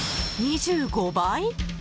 ２５倍？